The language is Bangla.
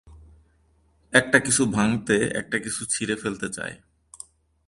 একটা কিছু ভাঙতে, একটা কিছু ছিঁড়ে ফেলতে চায়।